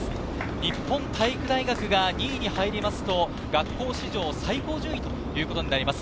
日本体育大学が２位に入ると学校史上最高順位となります。